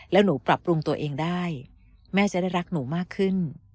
แล้วหนูปรับปรุงตัวเองได้แม่จะได้รักหนูมากขึ้น